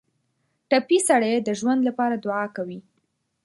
ټپي سړی د ژوند لپاره دعا کوي.